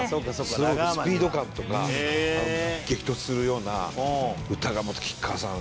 すごくスピード感とか激突するような歌がまた吉川さん